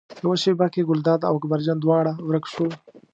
یوه شېبه کې ګلداد او اکبر جان دواړه ورک شول.